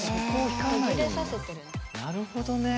なるほどね。